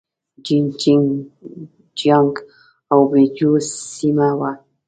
جين چنګ جيانګ او يي جو سيمه وه.